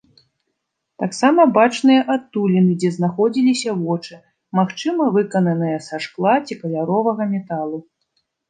Таксама бачныя адтуліны, дзе знаходзіліся вочы, магчыма, выкананыя са шкла ці каляровага металу.